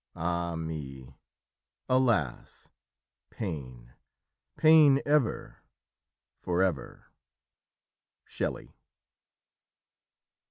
Ah me! alas, pain, pain ever, for ever!" Shelley.